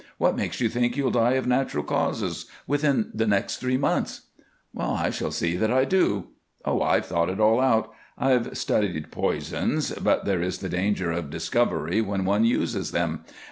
What makes you think you'll die of natural causes within the next three months?" "I shall see that I do. Oh, I've thought it all out. I've studied poisons, but there is the danger of discovery when one uses them.